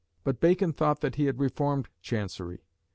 But Bacon thought that he had reformed Chancery.